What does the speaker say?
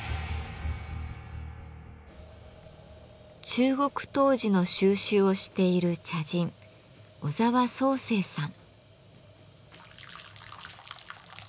中国陶磁の収集をしている茶人小澤宗誠さん。